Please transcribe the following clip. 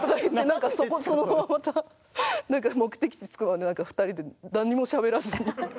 なんかそのまままた目的地着くまで２人で何にもしゃべらずに。